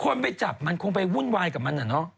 คนไปจับมันคงไปวุ่นวายกับมันอะเนาะ